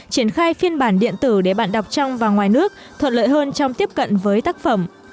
triển khai phiên bản điện tử để bạn đọc trong và ngoài nước thuận lợi hơn trong tiếp cận với tác phẩm